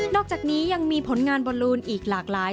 อกจากนี้ยังมีผลงานบอลลูนอีกหลากหลาย